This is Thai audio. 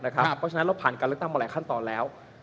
เพราะฉะนั้นเราผ่านการเลือกตั้งมาหลายขั้นตอนแล้ว